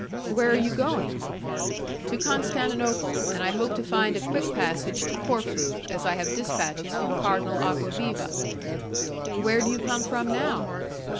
"Where are you going?" "To Constantinople; and I hope to find a quick passage to Corfu, as I have dispatches from Cardinal Acquaviva." "Where do you come from now?"